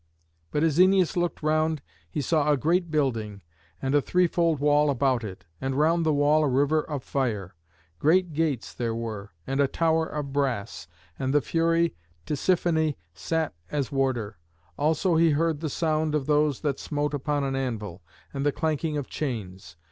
But as Æneas looked round he saw a great building, and a three fold wall about it, and round the wall a river of fire. Great gates there were, and a tower of brass, and the fury Tisiphone sat as warder. Also he heard the sound of those that smote upon an anvil, and the clanking of chains.